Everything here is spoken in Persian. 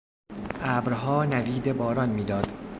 ابرها نوید باران میداد.